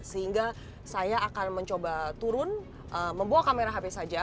sehingga saya akan mencoba turun membawa kamera hp saja